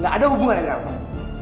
gak ada hubungan ada apapun